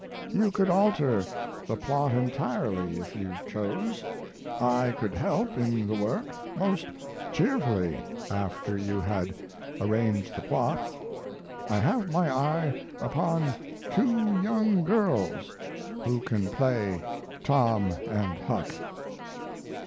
You could alter the plot entirely if you chose. I could help in the work most cheerfully after you had arranged the plot. I have my eye upon two young girls who can play Tom and Huck.